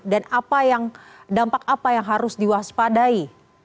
dan dampak apa yang harus diwaspadai